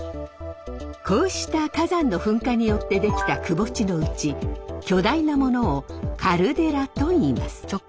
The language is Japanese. こうした火山の噴火によって出来たくぼ地のうち巨大なものをカルデラといいます。